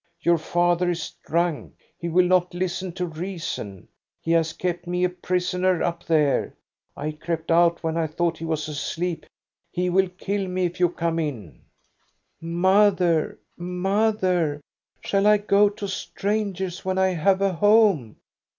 Your father is drunk. He will not listen to reason. He has kept me a prisoner up there. I crept out when I thought he was asleep. He will kill me, if you come in." Mother, mother, shall I go to strangers when I have a home?